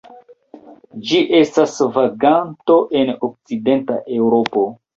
Ĝi estas vaganto en okcidenta Eŭropo.